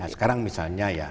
sekarang misalnya ya